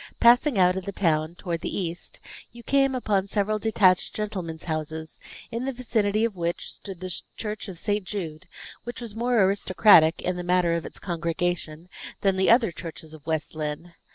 Passing out at the town, toward the east, you came upon several detached gentleman's houses, in the vicinity of which stood the church of St. Jude, which was more aristocratic, in the matter of its congregation, than the other churches of West Lynne.